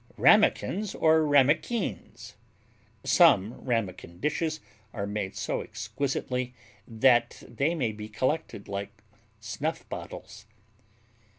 RAMEKINS OR RAMEQUINS Some Ramekin dishes are made so exquisitely that they may be collected like snuff bottles.